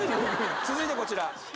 続いてこちら。